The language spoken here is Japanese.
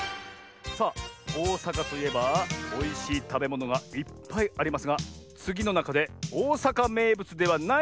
さあおおさかといえばおいしいたべものがいっぱいありますがつぎのなかでおおさかめいぶつではないのはどれ？